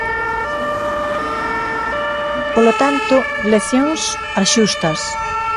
Polo tanto, leccións, as xustas.